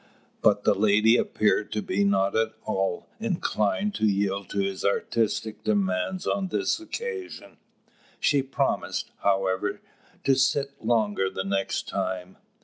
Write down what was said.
But the lady appeared to be not at all inclined to yield to his artistic demands on this occasion; she promised, however, to sit longer the next time.